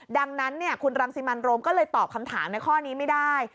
ดังนั้นคุณรังสิมันโรมก็เลยตอบคำถามในข้อนี้ไม่ได้